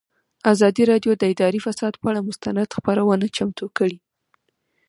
ازادي راډیو د اداري فساد پر اړه مستند خپرونه چمتو کړې.